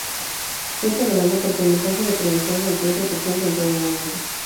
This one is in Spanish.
Siempre velando porque el mensaje de prevención se encuentre presente en todo momento.